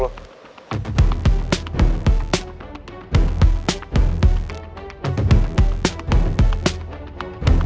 lo tuh kan udah berusaha